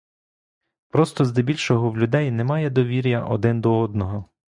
Просто здебільшого в людей нема довір'я один до одного.